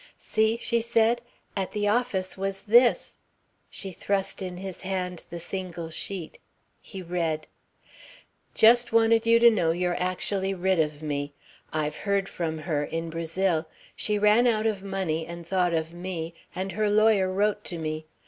"See," she said. "At the office was this...." She thrust in his hand the single sheet. He read: "... Just wanted you to know you're actually rid of me. I've heard from her, in Brazil. She ran out of money and thought of me, and her lawyer wrote to me....